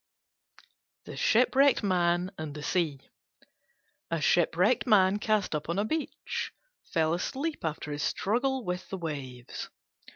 THE SHIPWRECKED MAN AND THE SEA A Shipwrecked Man cast up on the beach fell asleep after his struggle with the waves.